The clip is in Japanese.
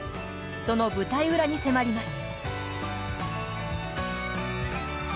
その舞台裏に迫ります。